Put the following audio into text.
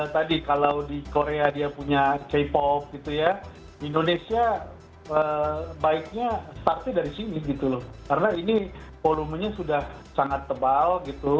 tadi kalau di korea dia punya k pop gitu ya indonesia baiknya startnya dari sini gitu loh karena ini volumenya sudah sangat tebal gitu